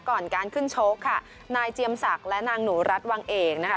ก่อนการขึ้นชกค่ะนายเจียมศักดิ์และนางหนูรัฐวังเอกนะคะ